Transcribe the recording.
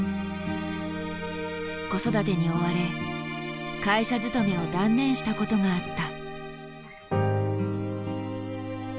子育てに追われ会社勤めを断念したことがあった。